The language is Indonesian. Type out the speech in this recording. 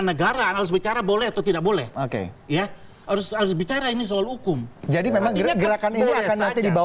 negara negara boleh atau tidak boleh oke ya harus harus bicara ini soal hukum jadi